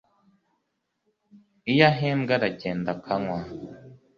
iyo ahembwe aragenda akanywa